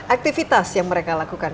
aktivitas yang mereka lakukan